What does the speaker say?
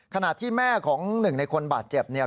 ขณะที่แม่ของหนึ่งในคนบาดเจ็บเนี่ย